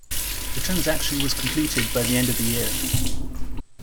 The transaction was completed by the end of the year.